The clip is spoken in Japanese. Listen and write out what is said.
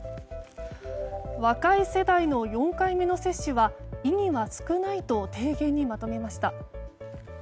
若い世代の４回目の接種は意義が少ないと提言にまとめました。